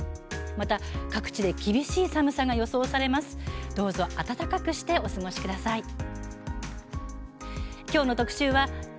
また、各地で厳しい寒さが予想されています。